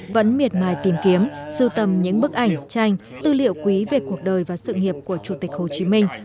vẫn miệt mài tìm kiếm sưu tầm những bức ảnh tranh tư liệu quý về cuộc đời và sự nghiệp của chủ tịch hồ chí minh